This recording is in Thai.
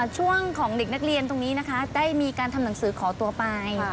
ช่วงของเด็กนักเรียนตรงนี้นะคะได้มีการทำหนังสือขอตัวไป